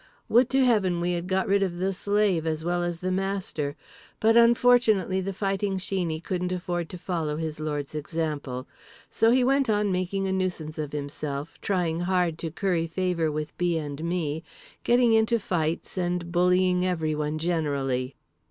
Would to Heaven we had got rid of the slave as well as the master—but unfortunately The Fighting Sheeney couldn't afford to follow his lord's example. So he went on making a nuisance of himself, trying hard to curry favour with B. and me, getting into fights and bullying everyone generally.